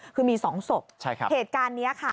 คือมี๒ศพเหตุการณ์นี้ค่ะ